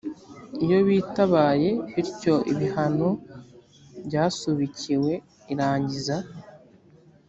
iyo bitabaye bityo ibihano byasubikiwe irangiza